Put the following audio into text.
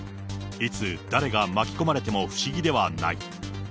いつ、誰が巻き込まれても不思議ではない。